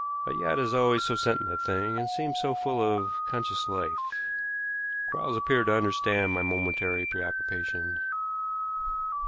A yacht is always so sentient a thing, and seems so full of conscious life. Quarles appeared to understand my momentary preoccupation.